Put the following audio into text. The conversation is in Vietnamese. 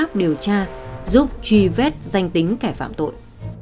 cơ quan điều tra giúp truy vết danh tính kẻ phạm tội